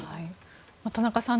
田中さん